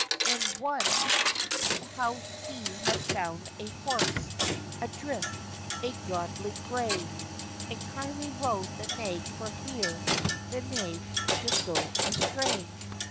And one, how he had found a horse Adrift a goodly gray! And kindly rode the nag, for fear The nag should go astray.